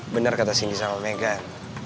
bener kata cindy sama megan